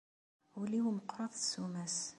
Ul-iw meqqret ssuma-s.